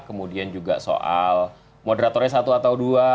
kemudian juga soal moderatornya satu atau dua